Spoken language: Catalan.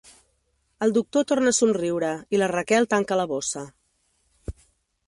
El doctor torna a somriure i la Raquel tanca la bossa.